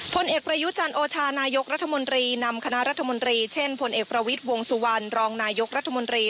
ผลเอกประยุจจรรย์โอชานายกรัฐมนตรีนำคณะรัฐมนตรี